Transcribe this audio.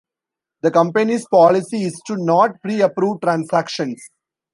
The company's policy is to not pre-approve transactions.